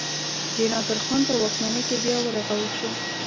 د نادر خان په واکمنۍ کې بیا ورغول شو.